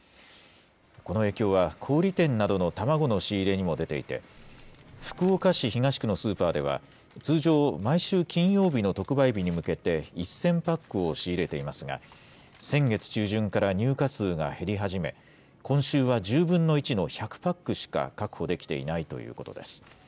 この影響は、小売り店などの卵の仕入れにも出ていて、福岡市東区のスーパーでは、通常、毎週金曜日の特売日に向けて、１０００パックを仕入れていますが、先月中旬から入荷数が減り始め、今週は１０分の１の１００パックしか確保できていないということです。